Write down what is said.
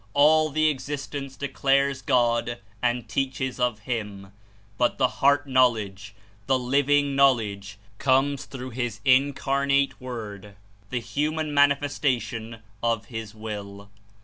All the existence declares God and teaches of Him, but the heart knowledge, the living knowledge, comes through His Incarnate Word, the human Manifestation of His Will.